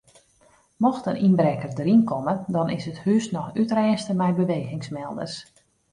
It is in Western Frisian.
Mocht in ynbrekker deryn komme dan is it hús noch útrêste mei bewegingsmelders.